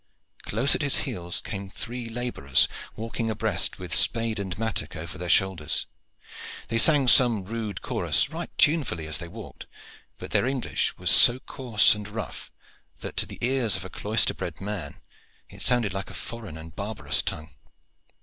Close at his heels came three laborers walking abreast, with spade and mattock over their shoulders. They sang some rude chorus right tunefully as they walked, but their English was so coarse and rough that to the ears of a cloister bred man it sounded like a foreign and barbarous tongue.